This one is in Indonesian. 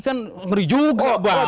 kan ngeri juga banget